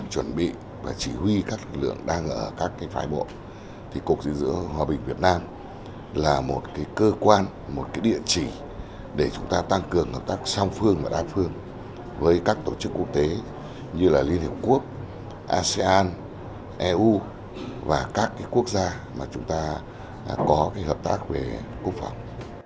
hòa bình việt nam là một cơ quan một địa chỉ để chúng ta tăng cường hợp tác song phương và đa phương với các tổ chức quốc tế như liên hiệp quốc asean eu và các quốc gia mà chúng ta có hợp tác về quốc phòng